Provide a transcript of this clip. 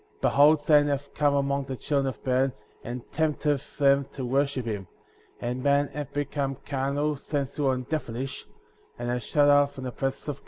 49. Behold Satan hath come* among the children of men, and tempteth them to worship him J and men have become carnal, sensual, and devilish,* and are shut out from the presence of God.